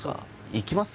いきます